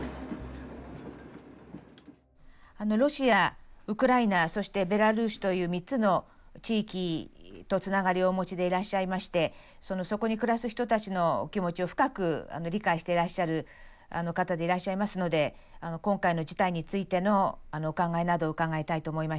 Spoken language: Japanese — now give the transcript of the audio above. ロシアウクライナそしてベラルーシという３つの地域とつながりをお持ちでいらっしゃいましてそこに暮らす人たちの気持ちを深く理解してらっしゃる方でいらっしゃいますので今回の事態についてのお考えなどを伺いたいと思いました。